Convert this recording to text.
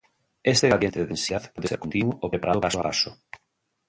Este gradiente de densidad puede ser continuo o preparado paso a paso.